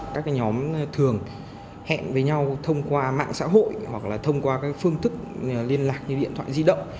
các nhóm thường hẹn với nhau thông qua mạng xã hội hoặc là thông qua các phương thức liên lạc như điện thoại di động